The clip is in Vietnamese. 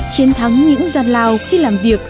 chiến thắng những gian lao khi làm việc